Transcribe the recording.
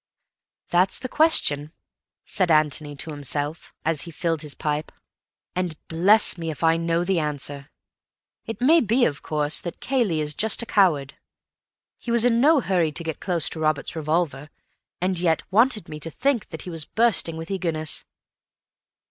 _ "That's the question," said Antony to himself, as he filled his pipe, "and bless me if I know the answer. It may be, of course, that Cayley is just a coward. He was in no hurry to get close to Robert's revolver, and yet wanted me to think that he was bursting with eagerness.